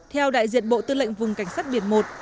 theo đại diện bộ tư lệnh vùng cảnh sát biển một